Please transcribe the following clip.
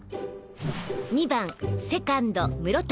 ２番セカンド室谷